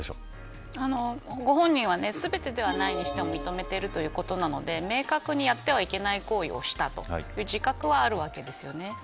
ご本人は全てではないにしても認めているということなので明確にやってはいけない行為をしたという自覚はあるわけです。